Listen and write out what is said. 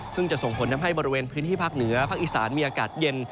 ซึ่งจะส่งผลทำให้บริเวณพื้นที่ภาคเหนือภาคอีสานมีอากาศเย็น